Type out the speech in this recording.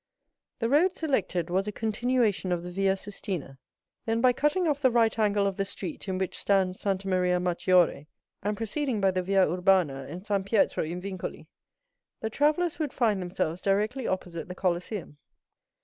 The road selected was a continuation of the Via Sistina; then by cutting off the right angle of the street in which stands Santa Maria Maggiore and proceeding by the Via Urbana and San Pietro in Vincoli, the travellers would find themselves directly opposite the Colosseum.